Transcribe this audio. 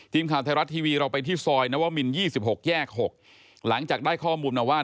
ทีมข่าวไทยรัฐทีวีเราไปที่ซอยนวมิน๒๖แยก๖หลังจากได้ข้อมูลมาว่า